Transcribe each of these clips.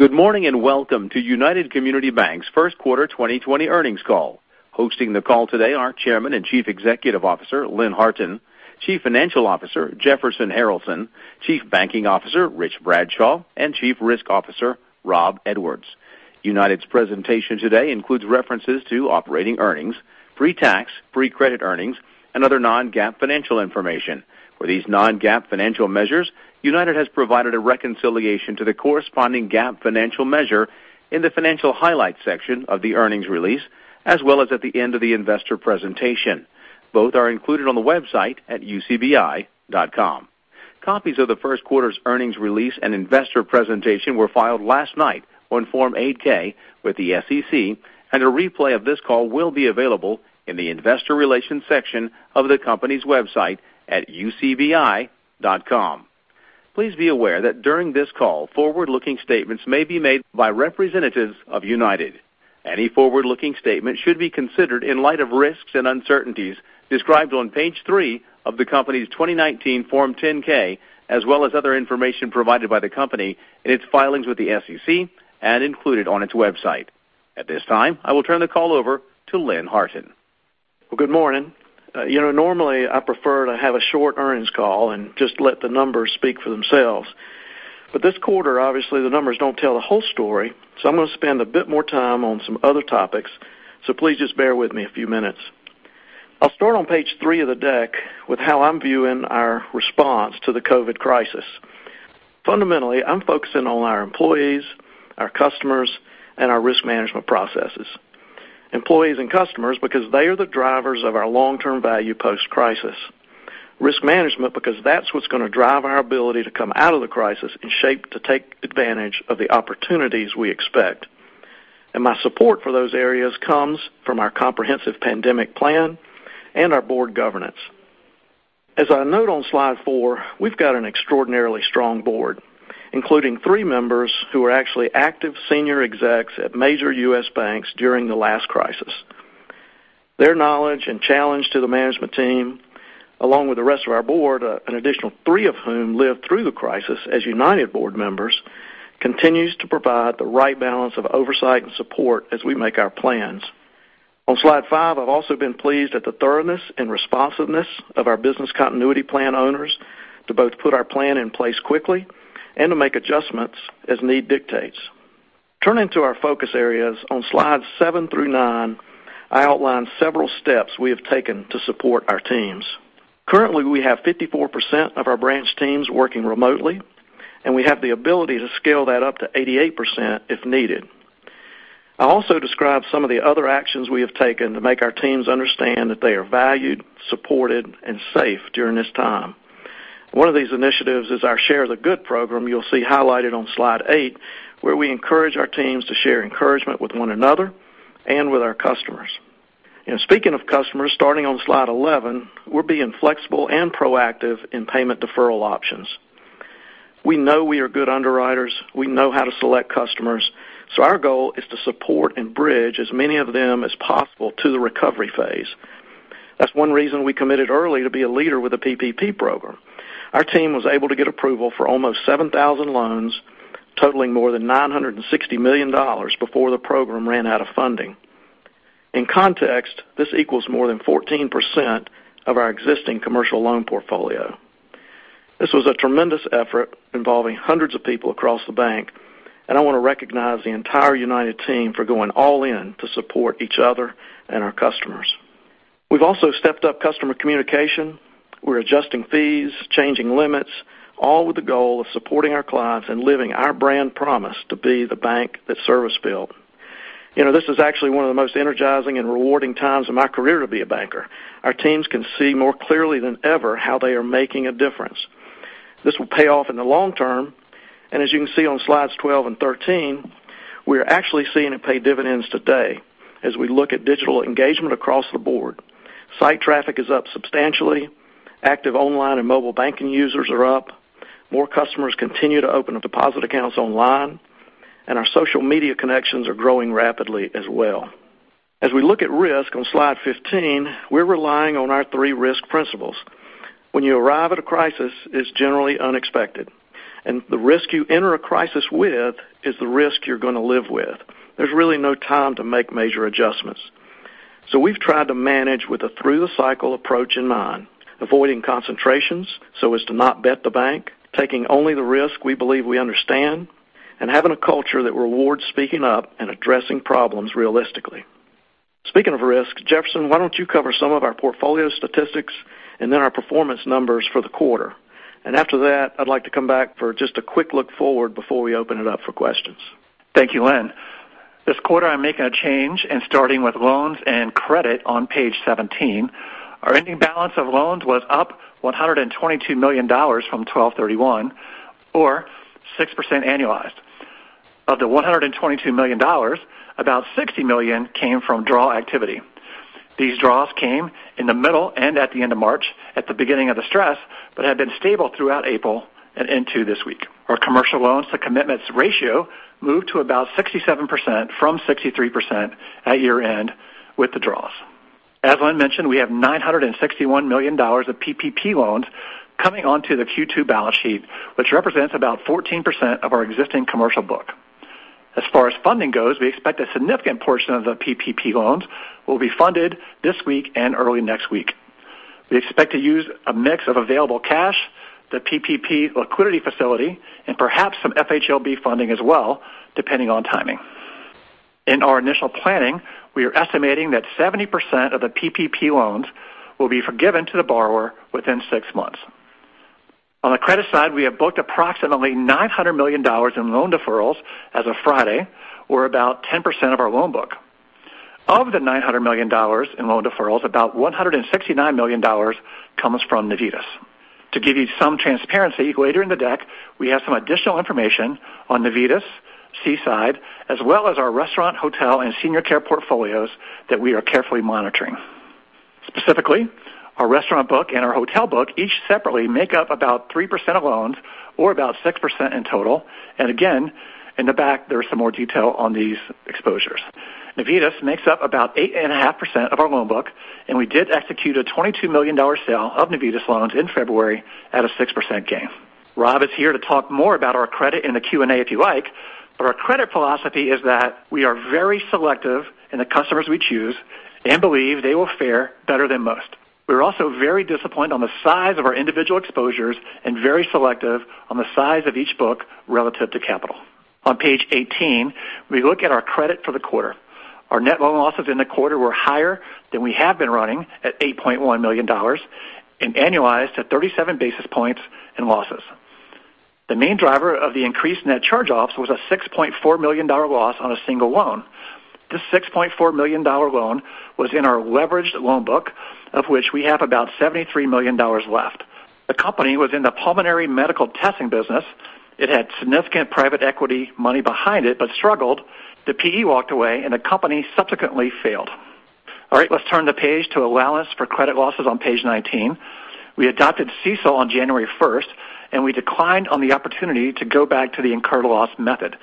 Good morning, and welcome to United Community Banks' Q1 2020 Earnings Call. Hosting the call today are Chairman and Chief Executive Officer, Lynn Harton, Chief Financial Officer, Jefferson Harralson, Chief Banking Officer, Rich Bradshaw, and Chief Risk Officer, Rob Edwards. United's presentation today includes references to operating earnings, pre-tax, pre-provision earnings, and other non-GAAP financial information. For these non-GAAP financial measures, United has provided a reconciliation to the corresponding GAAP financial measure in the financial highlights section of the earnings release, as well as at the end of the investor presentation. Both are included on the website at ucbi.com. Copies of the first quarter's earnings release and investor presentation were filed last night on Form 8-K with the SEC, and a replay of this call will be available in the investor relations section of the company's website at ucbi.com. Please be aware that during this call, forward-looking statements may be made by representatives of United. Any forward-looking statement should be considered in light of risks and uncertainties described on page three of the company's 2019 Form 10-K, as well as other information provided by the company in its filings with the SEC and included on its website. At this time, I will turn the call over to Lynn Harton. Well, good morning. Normally, I prefer to have a short earnings call and just let the numbers speak for themselves. This quarter, obviously, the numbers don't tell the whole story, so I'm going to spend a bit more time on some other topics, so please just bear with me a few minutes. I'll start on page three of the deck with how I'm viewing our response to the COVID crisis. Fundamentally, I'm focusing on our employees, our customers, and our risk management processes. Employees and customers because they are the drivers of our long-term value post-crisis. Risk management because that's what's going to drive our ability to come out of the crisis and shape to take advantage of the opportunities we expect. My support for those areas comes from our comprehensive pandemic plan and our board governance. As I note on slide four, we've got an extraordinarily strong board, including three members who were actually active senior execs at major U.S. banks during the last crisis. Their knowledge and challenge to the management team, along with the rest of our board, an additional three of whom lived through the crisis as United board members, continues to provide the right balance of oversight and support as we make our plans. On slide five, I've also been pleased at the thoroughness and responsiveness of our business continuity plan owners to both put our plan in place quickly and to make adjustments as need dictates. Turning to our focus areas on slides seven through nine, I outlined several steps we have taken to support our teams. Currently, we have 54% of our branch teams working remotely. We have the ability to scale that up to 88% if needed. I also describe some of the other actions we have taken to make our teams understand that they are valued, supported, and safe during this time. One of these initiatives is our Share the Good program you'll see highlighted on slide eight, where we encourage our teams to share encouragement with one another and with our customers. Speaking of customers, starting on slide 11, we're being flexible and proactive in payment deferral options. We know we are good underwriters. We know how to select customers. Our goal is to support and bridge as many of them as possible to the recovery phase. That's one reason we committed early to be a leader with the PPP program. Our team was able to get approval for almost 7,000 loans, totaling more than $960 million before the program ran out of funding. In context, this equals more than 14% of our existing commercial loan portfolio. This was a tremendous effort involving hundreds of people across the bank. I want to recognize the entire United team for going all in to support each other and our customers. We've also stepped up customer communication. We're adjusting fees, changing limits, all with the goal of supporting our clients and living our brand promise to be the bank that service built. This is actually one of the most energizing and rewarding times in my career to be a banker. Our teams can see more clearly than ever how they are making a difference. This will pay off in the long term. As you can see on slides 12 and 13, we are actually seeing it pay dividends today as we look at digital engagement across the board. Site traffic is up substantially, active online and mobile banking users are up, more customers continue to open deposit accounts online, and our social media connections are growing rapidly as well. As we look at risk on slide 15, we're relying on our three risk principles. When you arrive at a crisis, it's generally unexpected, and the risk you enter a crisis with is the risk you're going to live with. There's really no time to make major adjustments. We've tried to manage with a through the cycle approach in mind, avoiding concentrations so as to not bet the bank, taking only the risk we believe we understand, and having a culture that rewards speaking up and addressing problems realistically. Speaking of risk, Jefferson, why don't you cover some of our portfolio statistics and then our performance numbers for the quarter? After that, I'd like to come back for just a quick look forward before we open it up for questions. Thank you, Lynn. This quarter, I'm making a change and starting with loans and credit on page 17. Our ending balance of loans was up $122 million from 12/31 or 6% annualized. Of the $122 million, about $60 million came from draw activity. These draws came in the middle and at the end of March, at the beginning of the stress, but had been stable throughout April and into this week. Our commercial loans to commitments ratio moved to about 67% from 63% at year-end with the draws. As Lynn mentioned, we have $961 million of PPP loans coming onto the Q2 balance sheet, which represents about 14% of our existing commercial book. As far as funding goes, we expect a significant portion of the PPP loans will be funded this week and early next week. We expect to use a mix of available cash, the PPP Liquidity Facility, and perhaps some FHLB funding as well, depending on timing. In our initial planning, we are estimating that 70% of the PPP loans will be forgiven to the borrower within six months. On the credit side, we have booked approximately $900 million in loan deferrals as of Friday, or about 10% of our loan book. Of the $900 million in loan deferrals, about $169 million comes from Navitas. To give you some transparency, later in the deck, we have some additional information on Navitas, Seaside, as well as our restaurant, hotel, and senior care portfolios that we are carefully monitoring. Specifically, our restaurant book and our hotel book each separately make up about 3% of loans or about 6% in total. Again, in the back, there is some more detail on these exposures. Navitas makes up about 8.5% of our loan book, and we did execute a $22 million sale of Navitas loans in February at a 6% gain. Rob is here to talk more about our credit in the Q&A if you like, but our credit philosophy is that we are very selective in the customers we choose and believe they will fare better than most. We're also very disciplined on the size of our individual exposures and very selective on the size of each book relative to capital. On page 18, we look at our credit for the quarter. Our net loan losses in the quarter were higher than we have been running at $8.1 million and annualized to 37 basis points in losses. The main driver of the increased net charge-offs was a $6.4 million loss on a single loan. This $6.4 million loan was in our leveraged loan book, of which we have about $73 million left. The company was in the pulmonary medical testing business. It had significant private equity money behind it, but struggled. The PE walked away and the company subsequently failed. All right, let's turn the page to allowance for credit losses on page 19. We adopted CECL on January 1st, and we declined on the opportunity to go back to the incurred loss method.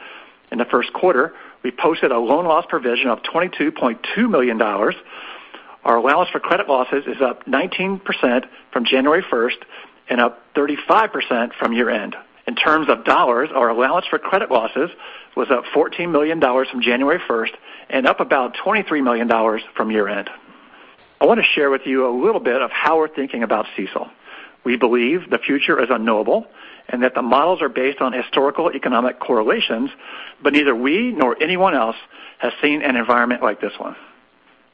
In the first quarter, we posted a loan loss provision of $22.2 million. Our allowance for credit losses is up 19% from January 1st and up 35% from year-end. In terms of dollars, our allowance for credit losses was up $14 million from January 1st and up about $23 million from year-end. I want to share with you a little bit of how we're thinking about CECL. We believe the future is unknowable and that the models are based on historical economic correlations, but neither we nor anyone else has seen an environment like this one.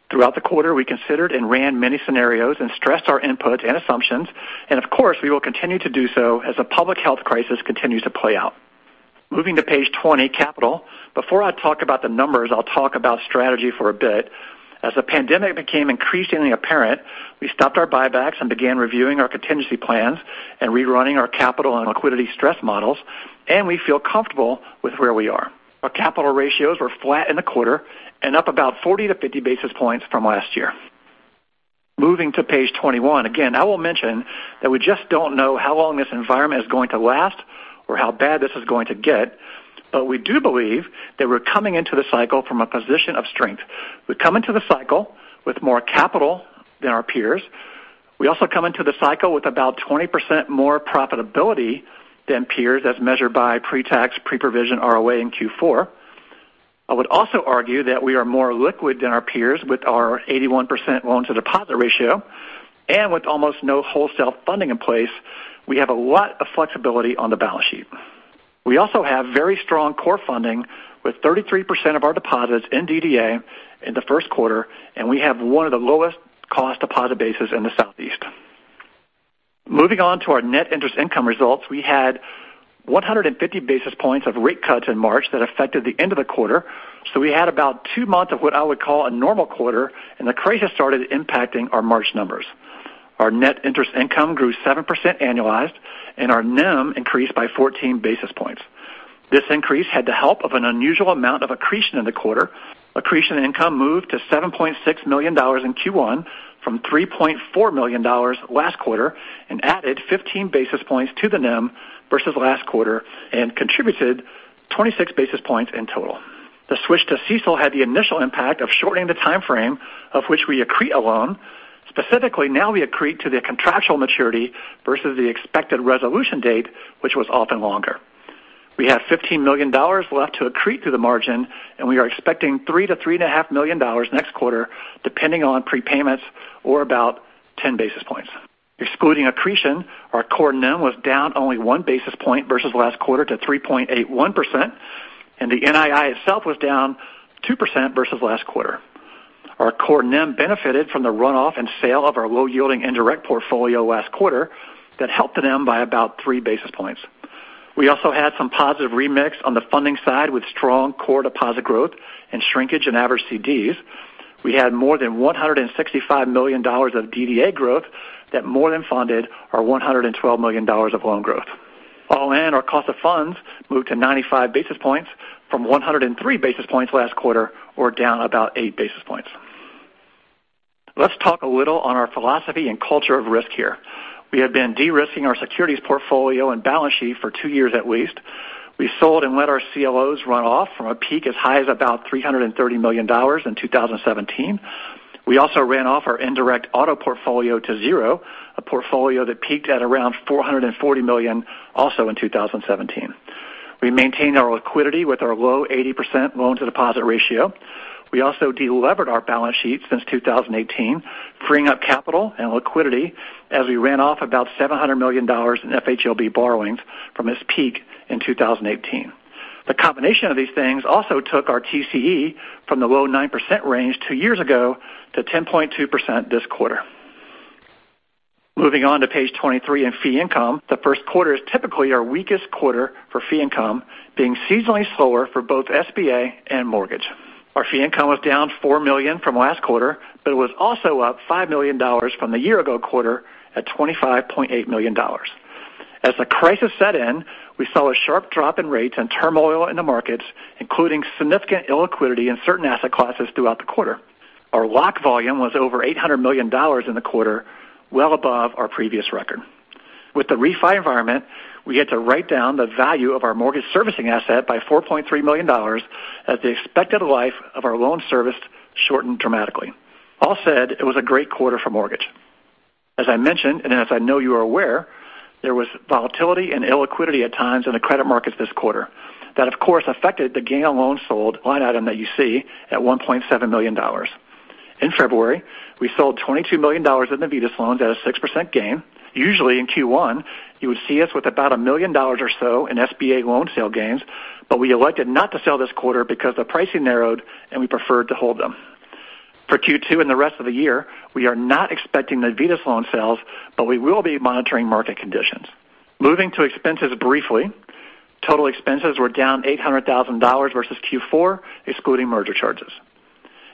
Throughout the quarter, we considered and ran many scenarios and stressed our inputs and assumptions, and of course, we will continue to do so as the public health crisis continues to play out. Moving to page 20, capital. Before I talk about the numbers, I'll talk about strategy for a bit. As the pandemic became increasingly apparent, we stopped our buybacks and began reviewing our contingency plans and rerunning our capital and liquidity stress models, and we feel comfortable with where we are. Our capital ratios were flat in the quarter and up about 40-50 basis points from last year. Moving to page 21, again, I will mention that we just don't know how long this environment is going to last or how bad this is going to get. We do believe that we're coming into the cycle from a position of strength. We come into the cycle with more capital than our peers. We also come into the cycle with about 20% more profitability than peers as measured by pre-tax, pre-provision ROA in Q4. I would also argue that we are more liquid than our peers with our 81% loan-to-deposit ratio and with almost no wholesale funding in place, we have a lot of flexibility on the balance sheet. We also have very strong core funding with 33% of our deposits in DDA in the Q1. We have one of the lowest cost deposit bases in the Southeast. Moving on to our net interest income results. We had 150 basis points of rate cuts in March that affected the end of the quarter. We had about two months of what I would call a normal quarter, and the crisis started impacting our March numbers. Our net interest income grew 7% annualized and our NIM increased by 14 basis points. This increase had the help of an unusual amount of accretion in the quarter. Accretion income moved to $7.6 million in Q1 from $3.4 million last quarter and added 15 basis points to the NIM versus last quarter and contributed 26 basis points in total. The switch to CECL had the initial impact of shortening the time frame of which we accrete a loan. Specifically, now we accrete to the contractual maturity versus the expected resolution date, which was often longer. We have $15 million left to accrete to the margin, and we are expecting $3 million-$3.5 million next quarter, depending on prepayments or about 10 basis points. Excluding accretion, our core NIM was down only one basis point versus last quarter to 3.81%, and the NII itself was down 2% versus last quarter. Our core NIM benefited from the runoff and sale of our low-yielding indirect portfolio last quarter that helped the NIM by about three basis points. We also had some positive remix on the funding side with strong core deposit growth and shrinkage in average CDs. We had more than $165 million of DDA growth that more than funded our $112 million of loan growth. All in, our cost of funds moved to 95 basis points from 103 basis points last quarter or down about eight basis points. Let's talk a little on our philosophy and culture of risk here. We have been de-risking our securities portfolio and balance sheet for two years at least. We sold and let our CLOs run off from a peak as high as about $330 million in 2017. We also ran off our indirect auto portfolio to zero, a portfolio that peaked at around $440 million also in 2017. We maintained our liquidity with our low 80% loan to deposit ratio. We also de-levered our balance sheet since 2018, freeing up capital and liquidity as we ran off about $700 million in FHLB borrowings from its peak in 2018. The combination of these things also took our TCE from the low 9% range two years ago to 10.2% this quarter. Moving on to page 23 in fee income, the Q1 is typically our weakest quarter for fee income, being seasonally slower for both SBA and mortgage. Our fee income was down $4 million from last quarter, but it was also up $5 million from the year ago quarter at $25.8 million. As the crisis set in, we saw a sharp drop in rates and turmoil in the markets, including significant illiquidity in certain asset classes throughout the quarter. Our lock volume was over $800 million in the quarter, well above our previous record. With the refi environment, we had to write down the value of our mortgage servicing asset by $4.3 million as the expected life of our loan service shortened dramatically. All said, it was a great quarter for mortgage. As I mentioned, and as I know you are aware, there was volatility and illiquidity at times in the credit markets this quarter. That, of course, affected the gain on loans sold line item that you see at $1.7 million. In February, we sold $22 million in Navitas loans at a 6% gain. Usually in Q1, you would see us with about $1 million or so in SBA loan sale gains, but we elected not to sell this quarter because the pricing narrowed, and we preferred to hold them. For Q2 and the rest of the year, we are not expecting Navitas loan sales, but we will be monitoring market conditions. Moving to expenses briefly, total expenses were down $800,000 versus Q4, excluding merger charges.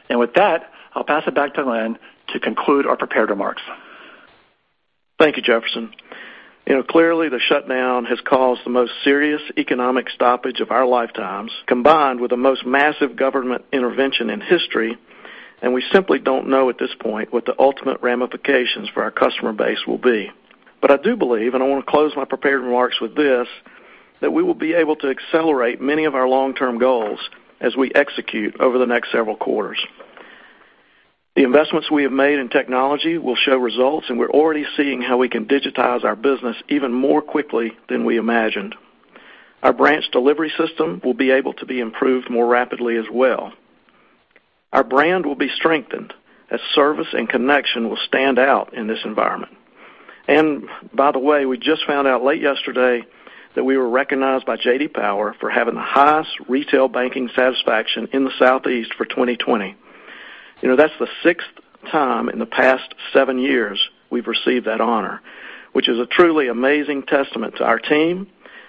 With that, I'll pass it back to Lynn to conclude our prepared remarks. Thank you, Jefferson. Clearly, the shutdown has caused the most serious economic stoppage of our lifetimes, combined with the most massive government intervention in history, and we simply don't know at this point what the ultimate ramifications for our customer base will be. I do believe, and I want to close my prepared remarks with this, that we will be able to accelerate many of our long-term goals as we execute over the next several quarters. The investments we have made in technology will show results, and we're already seeing how we can digitize our business even more quickly than we imagined. Our branch delivery system will be able to be improved more rapidly as well. Our brand will be strengthened as service and connection will stand out in this environment. By the way, we just found out late yesterday that we were recognized by J.D. Power for having the highest retail banking satisfaction in the Southeast for 2020. That's the sixth time in the past seven years we've received that honor, which is a truly amazing testament to our team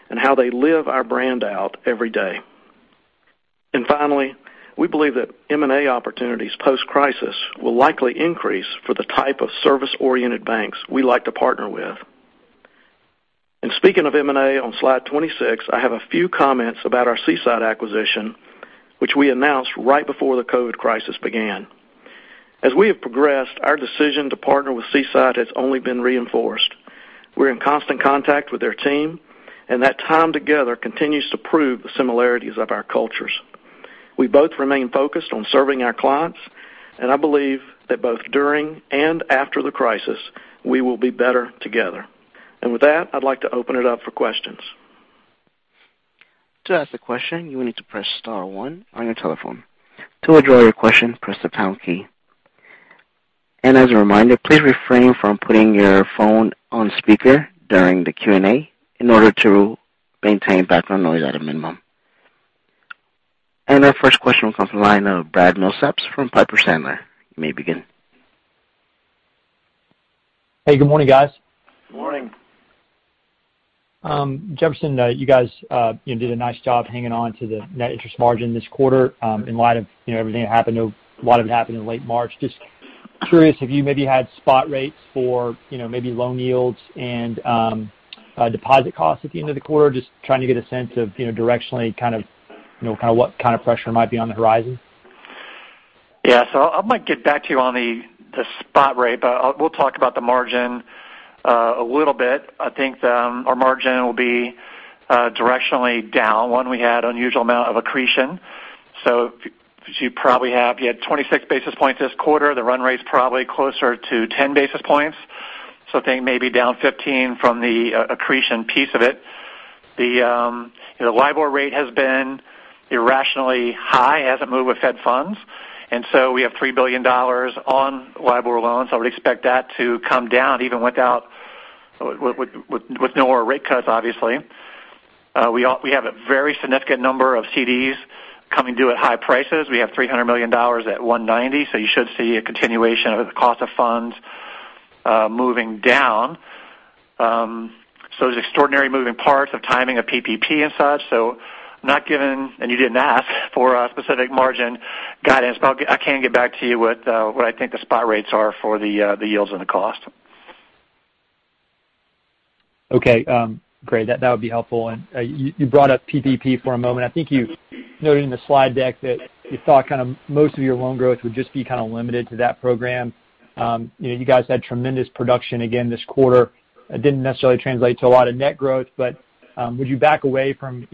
and how they live our brand out every day. Finally, we believe that M&A opportunities post-crisis will likely increase for the type of service-oriented banks we like to partner with. Speaking of M&A, on slide 26, I have a few comments about our Seaside acquisition, which we announced right before the COVID crisis began. As we have progressed, our decision to partner with Seaside has only been reinforced. We're in constant contact with their team, and that time together continues to prove the similarities of our cultures. We both remain focused on serving our clients, and I believe that both during and after the crisis, we will be better together. With that, I'd like to open it up for questions. To ask a question, you will need to press star one on your telephone. To withdraw your question, press the pound key. As a reminder, please refrain from putting your phone on speaker during the Q&A in order to maintain background noise at a minimum. Our first question will come from the line of Brad Milsaps from Piper Sandler. You may begin. Hey, good morning, guys. Good morning. Jefferson, you guys did a nice job hanging on to the net interest margin this quarter in light of everything that happened in late March. Just curious, have you maybe had spot rates for maybe loan yields and deposit costs at the end of the quarter? Just trying to get a sense of directionally what kind of pressure might be on the horizon. Yeah. I might get back to you on the spot rate, but we'll talk about the margin a little bit. I think our margin will be directionally down. One, we had unusual amount of accretion. As you probably have, you had 26 basis points this quarter. The run rate's probably closer to 10 basis points. I think maybe down 15 from the accretion piece of it. The LIBOR rate has been irrationally high as it moved with Fed funds, and so we have $3 billion on LIBOR loans. I would expect that to come down even with no more rate cuts, obviously. We have a very significant number of CDs coming due at high prices. We have $300 million at 190, so you should see a continuation of the cost of funds moving down. There's extraordinary moving parts of timing of PPP and such. Not given, and you didn't ask for a specific margin guidance, but I can get back to you with what I think the spot rates are for the yields and the cost. Okay. Great. That would be helpful. You brought up PPP for a moment. I think you noted in the slide deck that you thought most of your loan growth would just be kind of limited to that program. You guys had tremendous production again this quarter. It didn't necessarily translate to a lot of net growth, but would you back away from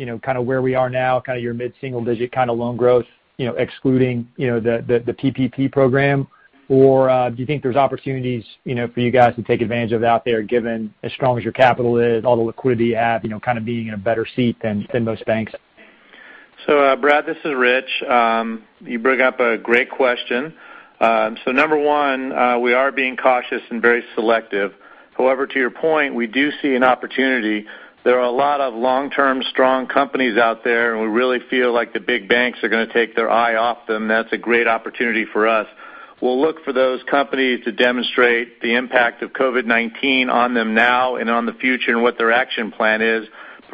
where we are now, your mid-single-digit kind of loan growth excluding the PPP program? Do you think there's opportunities for you guys to take advantage of out there given as strong as your capital is, all the liquidity you have, kind of being in a better seat than most banks? Brad, this is Rich. You bring up a great question. Number one, we are being cautious and very selective. However, to your point, we do see an opportunity. There are a lot of long-term strong companies out there, and we really feel like the big banks are going to take their eye off them. That's a great opportunity for us. We'll look for those companies to demonstrate the impact of COVID-19 on them now and on the future and what their action plan is.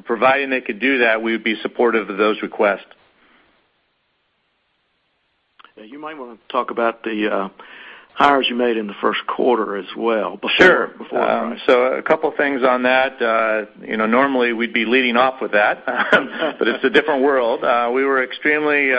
Providing they could do that, we would be supportive of those requests. Yeah, you might want to talk about the hires you made in the Q1 as well. Sure before I comment. A couple of things on that. Normally we'd be leading off with that, but it's a different world. We were extremely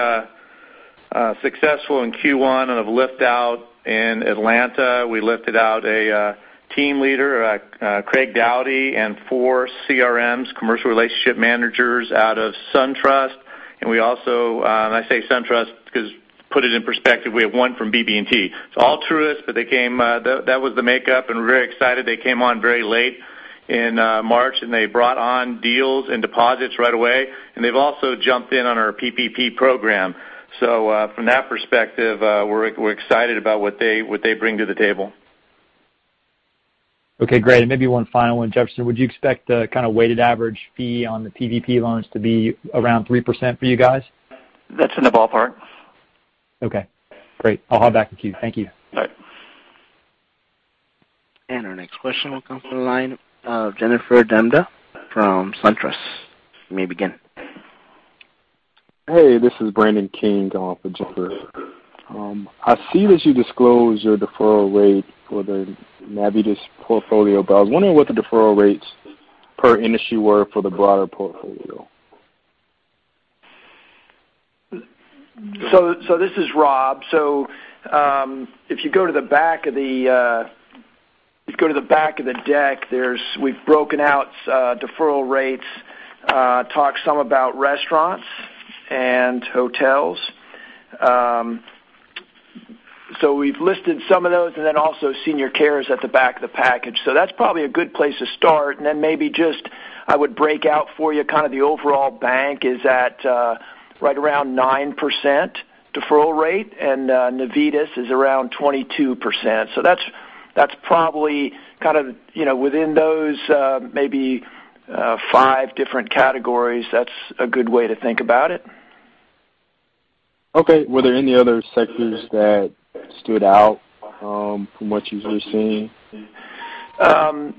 successful in Q1 of lift out in Atlanta. We lifted out a team leader, Craig Doughty, and four CRMs, commercial relationship managers, out of SunTrust. I say SunTrust because put it in perspective, we have one from BB&T. All through this, that was the makeup, and we're very excited. They came on very late in March, and they brought on deals and deposits right away. They've also jumped in on our PPP program. From that perspective, we're excited about what they bring to the table. Okay, great. Maybe one final one. Jefferson, would you expect the kind of weighted average fee on the PPP loans to be around 3% for you guys? That's in the ballpark. Okay, great. I'll hop back in queue. Thank you. All right. Our next question will come from the line of Jennifer Demba from SunTrust. You may begin. Hey, this is Brandon King on for Jennifer. I see that you disclosed your deferral rate for the Navitas portfolio, but I was wondering what the deferral rates per industry were for the broader portfolio. This is Rob. If you go to the back of the deck, we've broken out deferral rates, talked some about restaurants and hotels. We've listed some of those and then also senior care is at the back of the package. That's probably a good place to start. Maybe just, I would break out for you kind of the overall bank is at right around 9% deferral rate, and Navitas is around 22%. That's probably kind of within those maybe 5 different categories. That's a good way to think about it. Were there any other sectors that stood out from what you've just seen? No.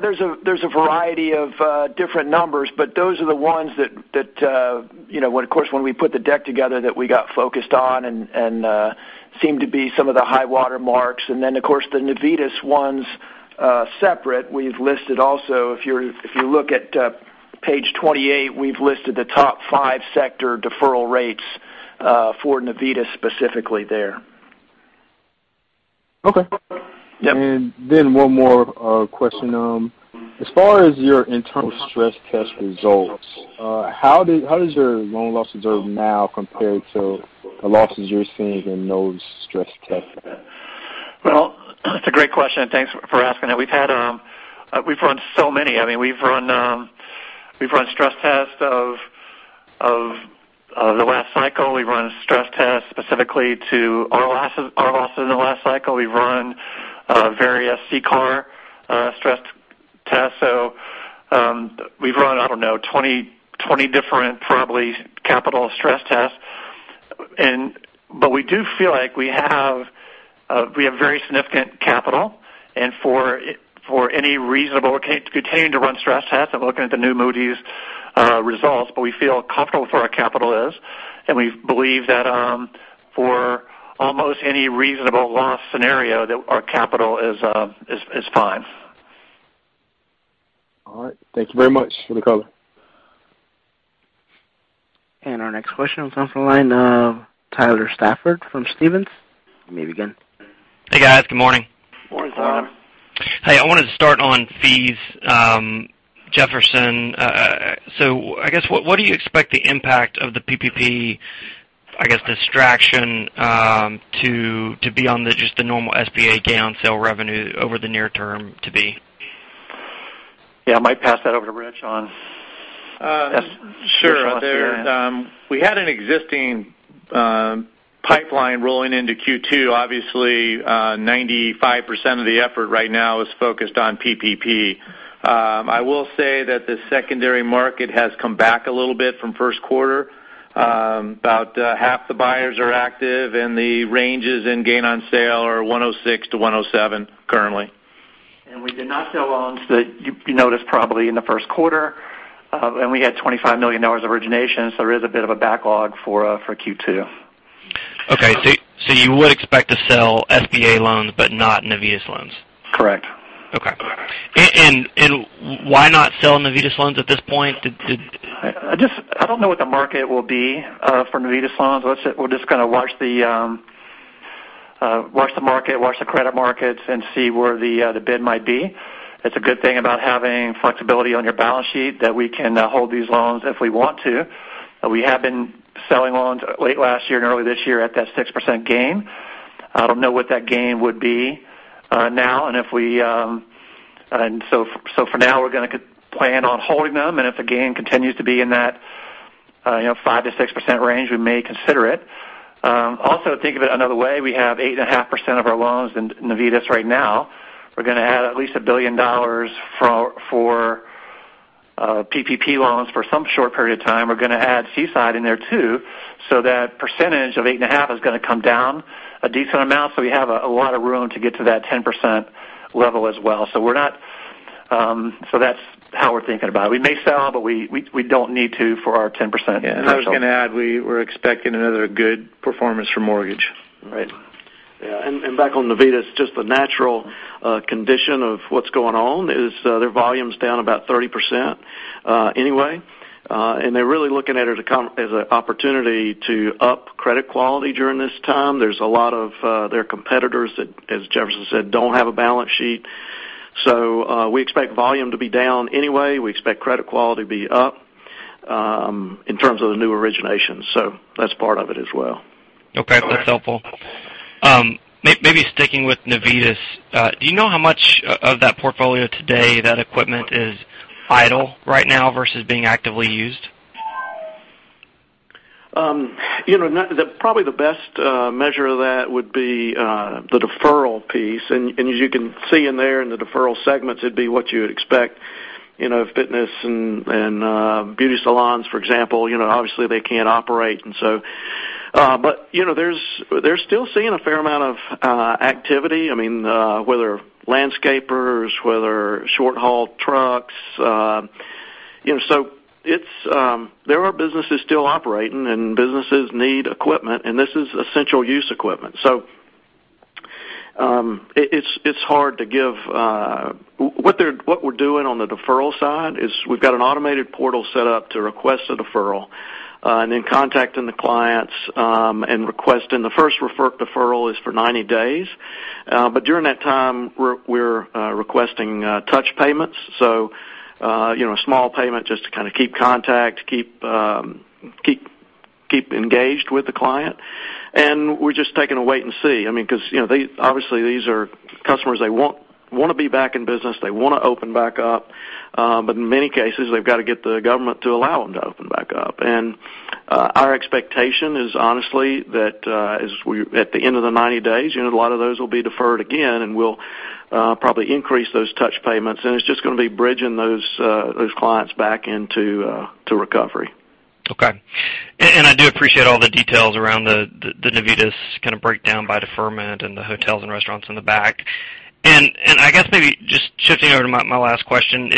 There's a variety of different numbers, but those are the ones that when, of course, when we put the deck together that we got focused on and seemed to be some of the high water marks. Then, of course, the Navitas ones separate. We've listed also, if you look at page 28, we've listed the top five sector deferral rates for Navitas specifically there. Okay. Yep. One more question. As far as your internal stress test results, how does your loan loss reserve now compare to the losses you're seeing in those stress tests? That's a great question, and thanks for asking that. We've run so many. I mean, we've run stress tests of the last cycle. We've run stress tests specifically to our losses in the last cycle. We've run various CCAR stress tests. We've run, I don't know, 20 different probably capital stress tests. We do feel like we have very significant capital. For any continuing to run stress tests, I'm looking at the new Moody's results, but we feel comfortable where our capital is, and we believe that for almost any reasonable loss scenario, that our capital is fine. All right. Thank you very much for the call. Our next question comes from the line of Tyler Stafford from Stephens. You may begin. Hey, guys. Good morning. Morning, Tyler. Hey, I wanted to start on fees. Jefferson, I guess what do you expect the impact of the PPP, I guess, distraction to be on just the normal SBA gain on sale revenue over the near term? Yeah, I might pass that over to Rich. Sure the last year. We had an existing pipeline rolling into Q2. Obviously, 95% of the effort right now is focused on PPP. I will say that the secondary market has come back a little bit from first quarter. About half the buyers are active, and the ranges in gain on sale are 106-107 currently. We did not sell loans that you noticed probably in the first quarter. We had $25 million of origination, so there is a bit of a backlog for Q2. Okay. You would expect to sell SBA loans but not Navitas loans? Correct. Okay. Why not sell Navitas loans at this point? I don't know what the market will be for Navitas loans. We're just going to watch the market, watch the credit markets, and see where the bid might be. It's a good thing about having flexibility on your balance sheet that we can hold these loans if we want to. We have been selling loans late last year and early this year at that 6% gain. I don't know what that gain would be now. For now, we're going to plan on holding them, and if the gain continues to be in that 5%-6% range, we may consider it. Also, think of it another way. We have 8.5% of our loans in Navitas right now. We're going to add at least $1 billion for PPP loans for some short period of time. We're going to add Seaside in there, too. That percentage of 8.5% is going to come down a decent amount. We have a lot of room to get to that 10% level as well. That's how we're thinking about it. We may sell, but we don't need to for our 10% in hotel. I was going to add, we're expecting another good performance for mortgage. Right. Yeah. Back on Navitas, just the natural condition of what's going on is their volume's down about 30% anyway. They're really looking at it as an opportunity to up credit quality during this time. There's a lot of their competitors that, as Jefferson said, don't have a balance sheet. We expect volume to be down anyway. We expect credit quality to be up in terms of the new originations. That's part of it as well. Correct. Okay. That's helpful. Maybe sticking with Navitas, do you know how much of that portfolio today that equipment is idle right now versus being actively used? Probably the best measure of that would be the deferral piece. As you can see in there in the deferral segments, it'd be what you would expect of fitness and beauty salons, for example. They're still seeing a fair amount of activity, whether landscapers, whether short-haul trucks. There are businesses still operating, and businesses need equipment, and this is essential use equipment. What we're doing on the deferral side is we've got an automated portal set up to request a deferral and then contacting the clients and the first deferral is for 90 days. During that time, we're requesting touch payments, so a small payment just to kind of keep contact, keep engaged with the client. We're just taking a wait and see because obviously these are customers, they want to be back in business. They want to open back up. In many cases, they've got to get the government to allow them to open back up. Our expectation is honestly that at the end of the 90 days, a lot of those will be deferred again, and we'll probably increase those touch payments, and it's just going to be bridging those clients back into recovery. Okay. I do appreciate all the details around the Navitas kind of breakdown by deferment and the hotels and restaurants in the back. I guess maybe just shifting over to my last question,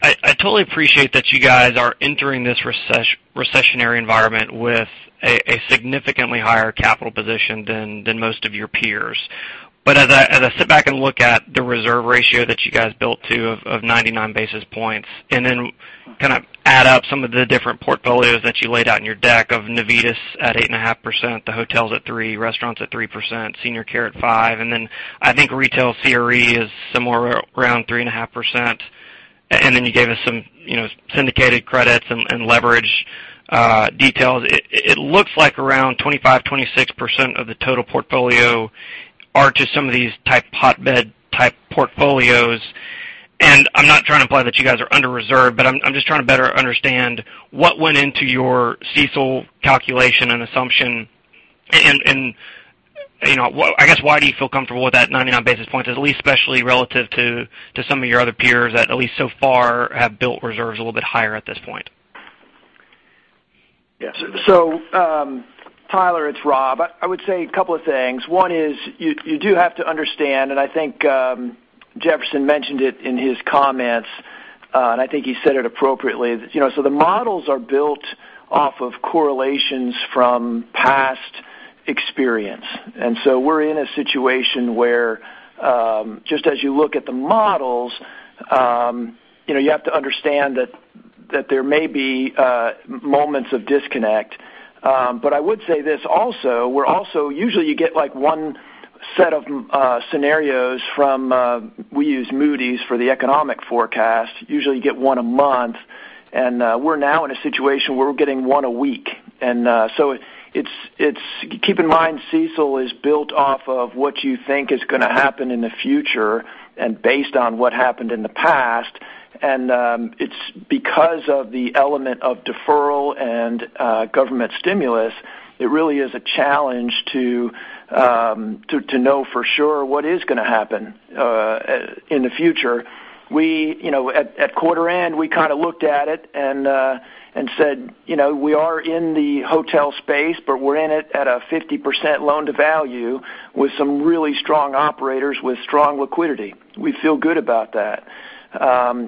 I totally appreciate that you guys are entering this recessionary environment with a significantly higher capital position than most of your peers. As I sit back and look at the reserve ratio that you guys built to of 99 basis points, and then kind of add up some of the different portfolios that you laid out in your deck of Navitas at 8.5%, the hotels at 3%, restaurants at 3%, senior care at 5%, and then I think retail CRE is somewhere around 3.5%, and then you gave us some syndicated credits and leverage details. It looks like around 25%, 26% of the total portfolio are to some of these type hotbed type portfolios. I'm not trying to imply that you guys are under-reserved, I'm just trying to better understand what went into your CECL calculation and assumption, I guess why do you feel comfortable with that 99 basis points, at least especially relative to some of your other peers that at least so far have built reserves a little bit higher at this point? Yeah. Tyler, it's Rob. I would say a couple of things. One is you do have to understand, I think Jefferson mentioned it in his comments, I think he said it appropriately. The models are built off of correlations from past experience. We're in a situation where just as you look at the models you have to understand that there may be moments of disconnect. I would say this also, usually you get one set of scenarios from, we use Moody's for the economic forecast. Usually, you get one a month. We're now in a situation where we're getting one a week. Keep in mind, CECL is built off of what you think is going to happen in the future and based on what happened in the past. It's because of the element of deferral and government stimulus, it really is a challenge to know for sure what is going to happen in the future. At quarter end, we kind of looked at it and said we are in the hotel space, but we're in it at a 50% loan-to-value with some really strong operators with strong liquidity. We feel good about that.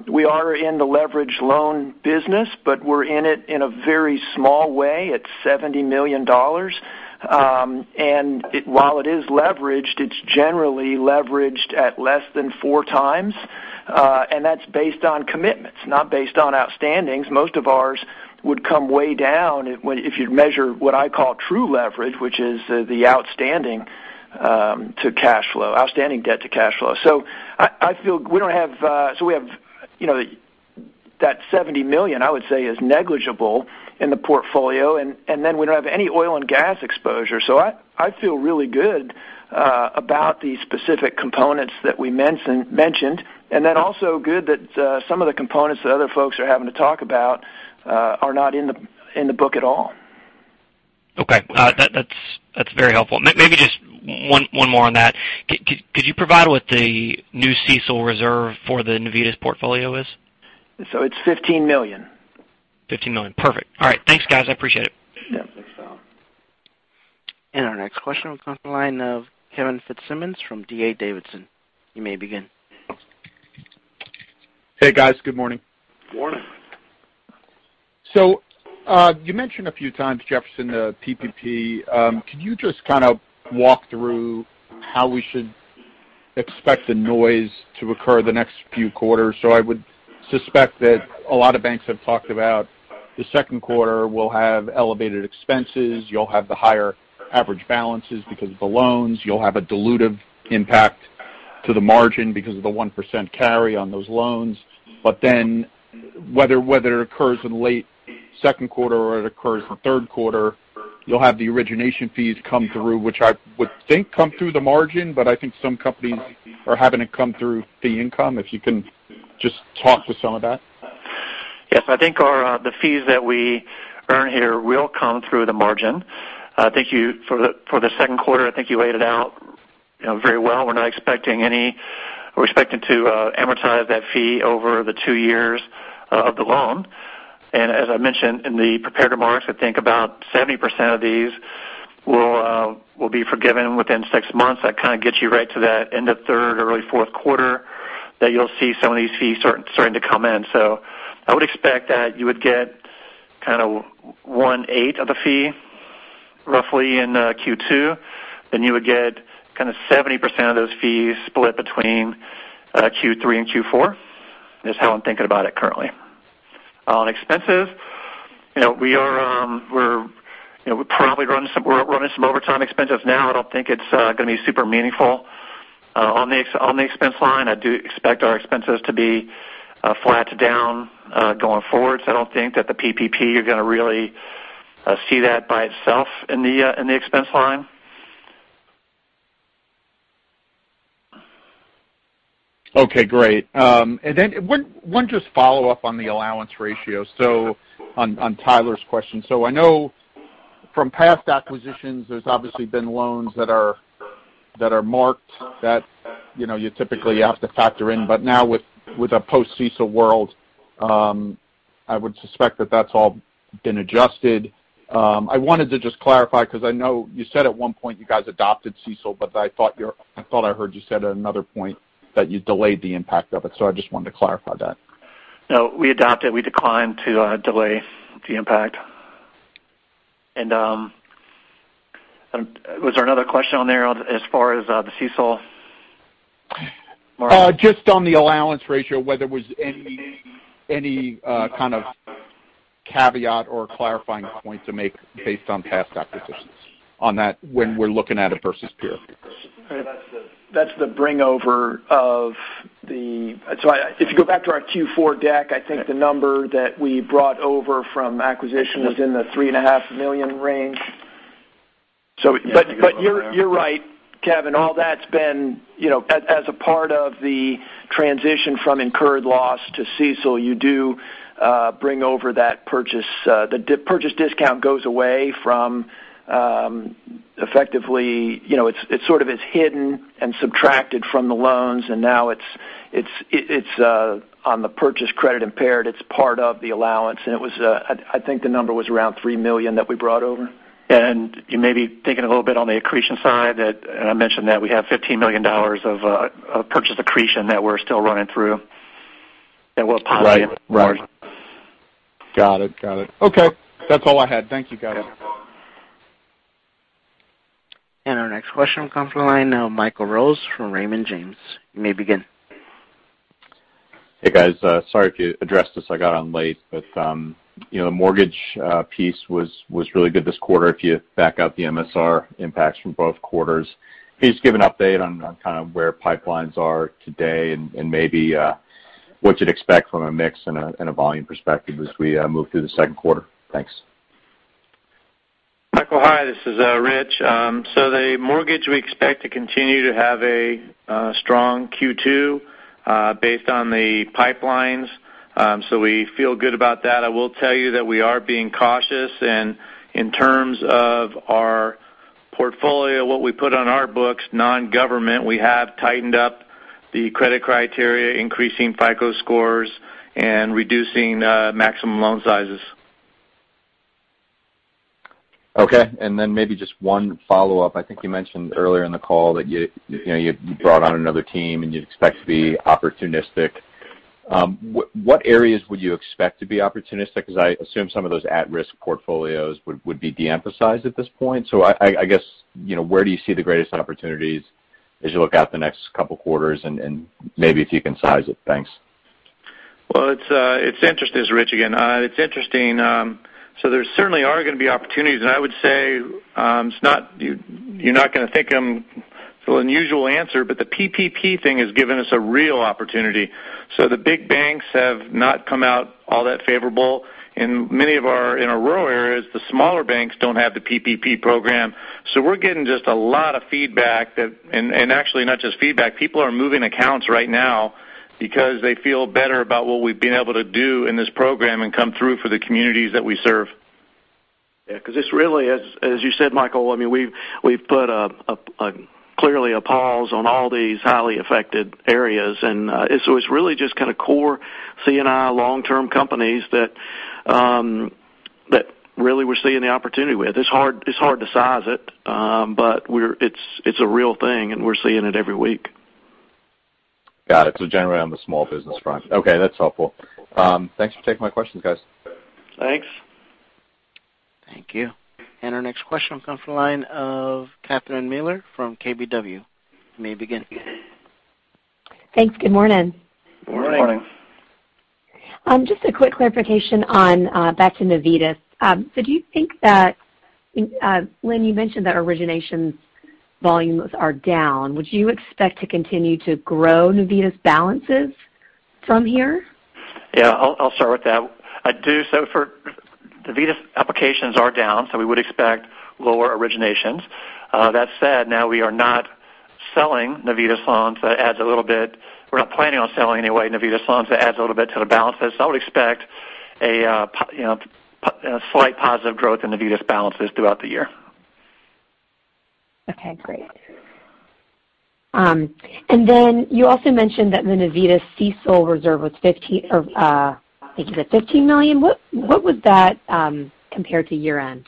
We are in the leverage loan business, but we're in it in a very small way at $70 million. While it is leveraged, it's generally leveraged at less than 4 times. That's based on commitments, not based on outstandings. Most of ours would come way down if you'd measure what I call true leverage, which is the outstanding debt to cash flow. We have that $70 million, I would say, is negligible in the portfolio, and then we don't have any oil and gas exposure. I feel really good about the specific components that we mentioned. Also good that some of the components that other folks are having to talk about are not in the book at all. Okay. That's very helpful. Maybe just one more on that. Could you provide what the new CECL reserve for the Navitas portfolio is? It's $15 million. $15 million. Perfect. All right. Thanks, guys. I appreciate it. Yeah. Thanks, Tyler. Our next question will come from the line of Kevin Fitzsimmons from D.A. Davidson. You may begin. Hey, guys. Good morning. Morning. You mentioned a few times, Jefferson, the PPP. Could you just kind of walk through how we should expect the noise to occur the next few quarters? I would suspect that a lot of banks have talked about the second quarter will have elevated expenses. You'll have the higher average balances because of the loans. You'll have a dilutive impact to the margin because of the 1% carry on those loans. Whether it occurs in late second quarter or it occurs in third quarter, you'll have the origination fees come through, which I would think come through the margin, but I think some companies are having it come through fee income. If you can just talk to some of that. Yes. I think the fees that we earn here will come through the margin. For the second quarter, I think you laid it out very well. We're expecting to amortize that fee over the two years of the loan. As I mentioned in the prepared remarks, I think about 70% of these will be forgiven within six months. That kind of gets you right to that end of third or early fourth quarter that you'll see some of these fees starting to come in. I would expect that you would get kind of one-eighth of the fee roughly in Q2. You would get kind of 70% of those fees split between Q3 and Q4, is how I'm thinking about it currently. On expenses, we're probably running some overtime expenses now. I don't think it's going to be super meaningful on the expense line. I do expect our expenses to be flat to down going forward. I don't think that the PPP, you're going to really see that by itself in the expense line. Okay, great. One just follow-up on the allowance ratio, on Tyler's question. I know from past acquisitions, there's obviously been loans that are marked that you typically have to factor in. With a post-CECL world, I would suspect that that's all been adjusted. I wanted to just clarify because I know you said at one point you guys adopted CECL, but I thought I heard you said at another point that you delayed the impact of it. I just wanted to clarify that. No, we adopted. We declined to delay the impact. Was there another question on there as far as the CECL? Just on the allowance ratio, whether it was any kind of caveat or clarifying point to make based on past acquisitions on that when we're looking at it versus peer. That's the bring over of the If you go back to our Q4 deck, I think the number that we brought over from acquisition was in the three and a half million range. You're right, Kevin. All that's been as a part of the transition from incurred loss to CECL, you do bring over that purchase. The purchase discount goes away from it sort of is hidden and subtracted from the loans, and now it's on the purchase credit impaired. It's part of the allowance, I think the number was around $3 million that we brought over. You may be thinking a little bit on the accretion side that, I mentioned that we have $15 million of purchase accretion that we're still running through that will positive margin. Right. Got it. Okay. That's all I had. Thank you, guys. Our next question comes from the line of Michael Rose from Raymond James. You may begin. Hey, guys. Sorry if you addressed this. I got on late, but mortgage piece was really good this quarter if you back out the MSR impacts from both quarters. Can you just give an update on kind of where pipelines are today and maybe what you'd expect from a mix and a volume perspective as we move through the Q2? Thanks. Michael, hi. This is Rich. The mortgage, we expect to continue to have a strong Q2 based on the pipelines. We feel good about that. I will tell you that we are being cautious. In terms of our portfolio, what we put on our books, non-government, we have tightened up the credit criteria, increasing FICO scores and reducing maximum loan sizes. Okay. Maybe just one follow-up. I think you mentioned earlier in the call that you brought on another team and you'd expect to be opportunistic. What areas would you expect to be opportunistic? I assume some of those at-risk portfolios would be de-emphasized at this point. I guess, where do you see the greatest opportunities as you look out the next couple of quarters and maybe if you can size it? Thanks. Well, it's interesting, this is Rich again. It's interesting. There certainly are going to be opportunities, and I would say, you're not going to think it's an unusual answer, but the PPP thing has given us a real opportunity. The big banks have not come out all that favorable. In many of our rural areas, the smaller banks don't have the PPP program. We're getting just a lot of feedback, and actually not just feedback. People are moving accounts right now because they feel better about what we've been able to do in this program and come through for the communities that we serve. Yeah, because this really, as you said, Michael, we've put clearly a pause on all these highly affected areas. It's really just kind of core C&I long-term companies that really we're seeing the opportunity with. It's hard to size it. It's a real thing, and we're seeing it every week. Got it, generally on the small business front. Okay, that's helpful. Thanks for taking my questions, guys. Thanks. Thank you. Our next question will come from the line of Catherine Mealor from KBW. You may begin. Thanks. Good morning. Good morning. Just a quick clarification back to Navitas. Lynn, you mentioned that originations volumes are down. Would you expect to continue to grow Navitas balances from here? Yeah, I'll start with that. I do. For Navitas, applications are down, so we would expect lower originations. That said, now we are not selling Navitas loans, so that adds a little bit. We're not planning on selling anyway Navitas loans, that adds a little bit to the balances. I would expect a slight positive growth in Navitas balances throughout the year. Okay, great. You also mentioned that the Navitas CECL reserve was $15, or I think you said $15 million. What was that compared to year-end?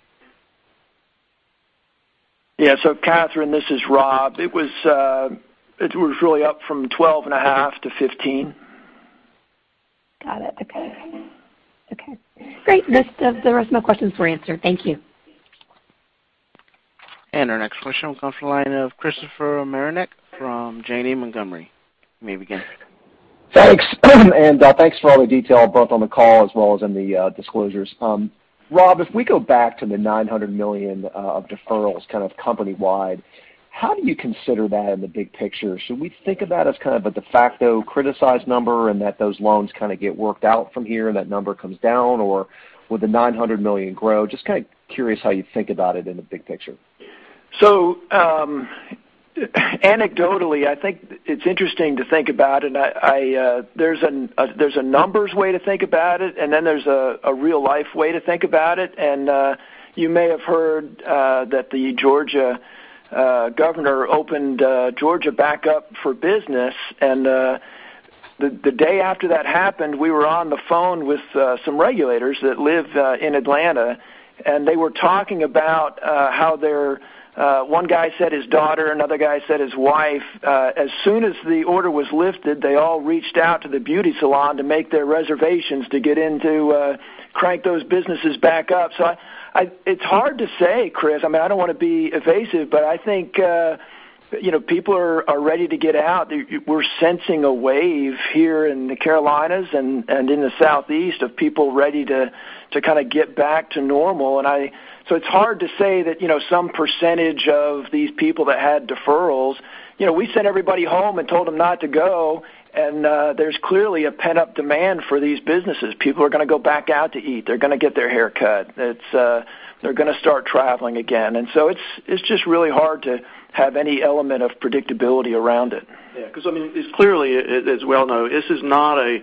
Yeah. Catherine, this is Rob. It was really up from 12 and a half to 15. Got it. Okay. Great. The rest of my questions were answered. Thank you. Our next question comes from the line of Christopher Marinac from Janney Montgomery. You may begin. Thanks. Thanks for all the detail both on the call as well as in the disclosures. Rob, if we go back to the $900 million of deferrals kind of company-wide, how do you consider that in the big picture? Should we think about as kind of a de facto criticized number and that those loans kind of get worked out from here and that number comes down, or will the $900 million grow? Just kind of curious how you think about it in the big picture. Anecdotally, I think it's interesting to think about it. There's a numbers way to think about it, and then there's a real-life way to think about it. You may have heard that the Georgia governor opened Georgia back up for business. The day after that happened, we were on the phone with some regulators that live in Atlanta, and they were talking about how one guy said his daughter, another guy said his wife, as soon as the order was lifted, they all reached out to the beauty salon to make their reservations to get in to crank those businesses back up. It's hard to say, Chris. I don't want to be evasive, but I think people are ready to get out. We're sensing a wave here in the Carolinas and in the Southeast of people ready to kind of get back to normal. It's hard to say that, some percentage of these people that had deferrals, we sent everybody home and told them not to go, and there's clearly a pent-up demand for these businesses. People are going to go back out to eat. They're going to get their hair cut. They're going to start traveling again. It's just really hard to have any element of predictability around it. Yeah, because it's clearly, as well known, this is not a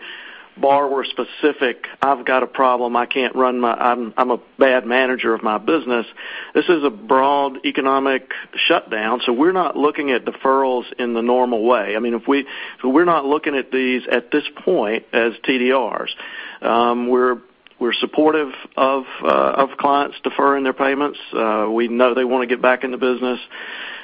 borrower-specific, I've got a problem, I'm a bad manager of my business. This is a broad economic shutdown. We're not looking at deferrals in the normal way. We're not looking at these at this point as TDRs. We're supportive of clients deferring their payments. We know they want to get back in the business.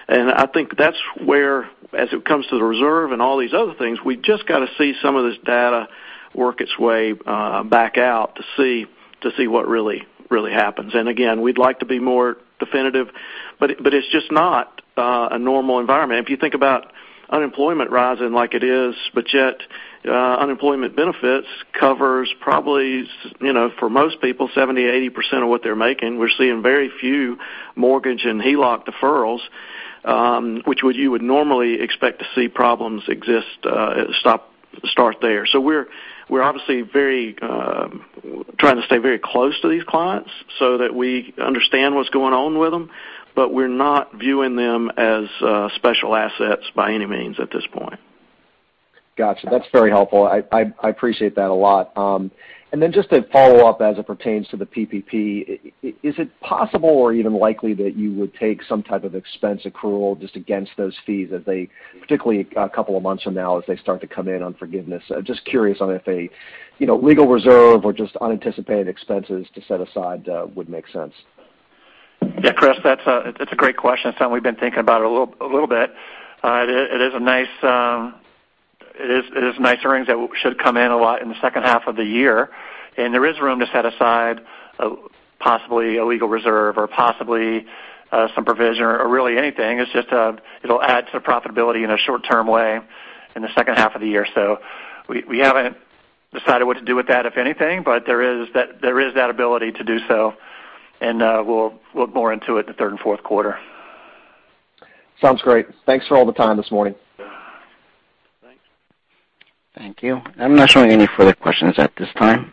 I think that's where, as it comes to the reserve and all these other things, we've just got to see some of this data work its way back out to see what really happens. Again, we'd like to be more definitive, but it's just not a normal environment. If you think about unemployment rising like it is, but yet unemployment benefits covers probably, for most people, 70%-80% of what they're making. We're seeing very few mortgage and HELOC deferrals, which you would normally expect to see problems exist, start there. We're obviously trying to stay very close to these clients so that we understand what's going on with them, but we're not viewing them as special assets by any means at this point. Got you. That's very helpful. I appreciate that a lot. Then just a follow-up as it pertains to the PPP. Is it possible or even likely that you would take some type of expense accrual just against those fees as they, particularly a couple of months from now as they start to come in on forgiveness? Just curious on if a legal reserve or just unanticipated expenses to set aside would make sense. Yeah, Chris, that's a great question. It's something we've been thinking about a little bit. It is nice earnings that should come in a lot in the second half of the year. There is room to set aside possibly a legal reserve or possibly some provision or really anything. It's just it'll add to the profitability in a short-term way in the second half of the year. We haven't decided what to do with that, if anything, but there is that ability to do so, and we'll look more into it in the Q3 and Q4. Sounds great. Thanks for all the time this morning. Thanks. Thank you. I'm not showing any further questions at this time.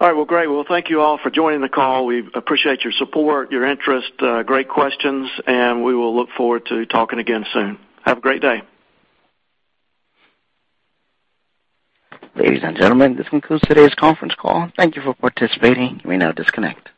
All right. Well, great. Well, thank you all for joining the call. We appreciate your support, your interest. Great questions. We will look forward to talking again soon. Have a great day. Ladies and gentlemen, this concludes today's conference call. Thank you for participating. You may now disconnect.